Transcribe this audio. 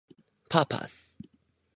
パーパス